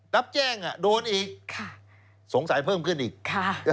รับแจ้งโดนอีกสงสัยเพิ่มขึ้นอีก